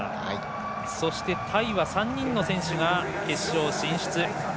そしてタイは３人の選手が決勝進出。